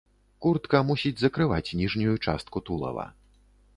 Куртка мусіць закрываць ніжнюю частку тулава.